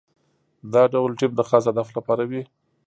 دا ډول ټیم د خاص هدف لپاره وي.